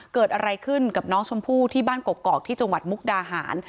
เกิดอะไรขึ้นกับน้องชมพู่ที่บ้านกกอกที่จังหวัดมุกดาหาร